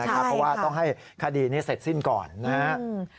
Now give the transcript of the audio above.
เพราะว่าต้องให้คดีนี้เสร็จสิ้นก่อนนะครับ